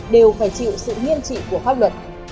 đều phải chịu sự nghiêm trị của pháp luật